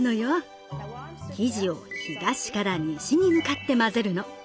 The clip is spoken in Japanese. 生地を東から西に向かって混ぜるの。